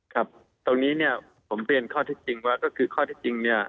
ครับตรงนี้ผมเปลี่ยนข้อที่จริงว่าก็คือข้อที่จริง